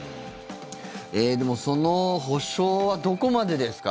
でも、その補償はどこまでですか？